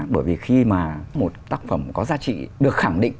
bởi vì khi mà một tác phẩm có giá trị được khẳng định